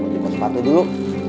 coba sepatu dulu